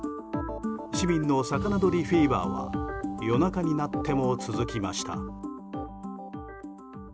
市民の魚とりフィーバーは夜中になっても続きました。